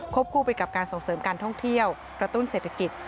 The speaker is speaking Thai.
คู่ไปกับการส่งเสริมการท่องเที่ยวกระตุ้นเศรษฐกิจ